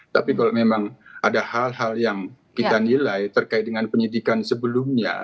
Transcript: tapi kalau memang ada hal hal yang kita nilai terkait dengan penyidikan sebelumnya